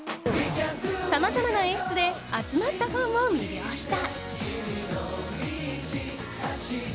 さまざまな演出で集まったファンを魅了した。